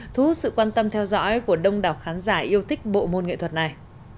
thu hút sự quan tâm theo dõi của đông đảo khán giả yêu thích bộ môn nghệ thuật này